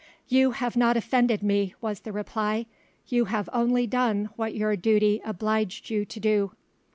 "You have not offended me," was the reply; "you have only done what your duty obliged you to do."